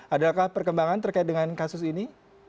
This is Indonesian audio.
adakah perkembangan terkait dengan kasus ini